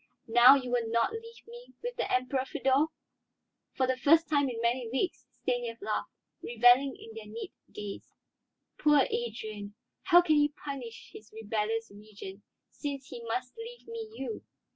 "Now you will not leave me with the Emperor, Feodor?" For the first time in many weeks Stanief laughed, reveling in their knit gaze. "Poor Adrian! How can he punish his rebellious Regent, since he must leave me you?